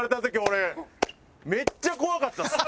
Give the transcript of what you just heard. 俺めっちゃ怖かったっす。